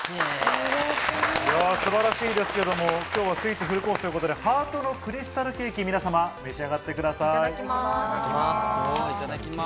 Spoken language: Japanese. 素晴らしいですけども、今日はスイーツフルコースということでハートのクリスタルケーキ、皆さんご試食ください。